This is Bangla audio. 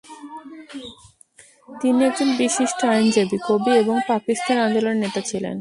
তিনি একজন বিশিষ্ট আইনজীবী, কবি এবং পাকিস্তান আন্দোলনের নেতা ছিলেন।